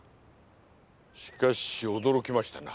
しかし驚きましたな。